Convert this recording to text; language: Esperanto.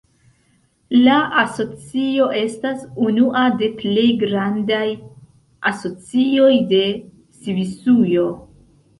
La asocio estas unua de plej grandaj asocioj de Svisujo.